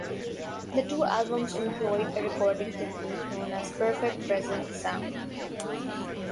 The two albums employed a recording technique known as Perfect Presence Sound.